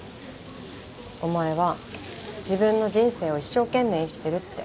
「お前は自分の人生を一生懸命生きてる」って。